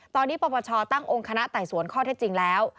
ตอนนี้ปปชตั้งองค์คณะไต่สวนข้อเท็จจริงแล้ว